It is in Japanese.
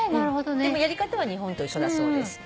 でもやり方は日本と一緒だそうです。